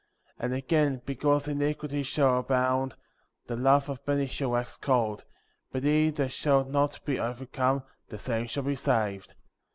30. And again, because iniquity shall abound, the love of many shall wax cold ; but he that shall not be overcome, the same shall be saved.